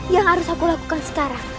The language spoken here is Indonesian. yang harus aku lakukan sekarang